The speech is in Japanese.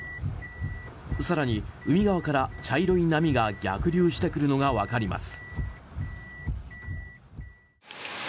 更に、海側から茶色い波が逆流してくるのが分かります。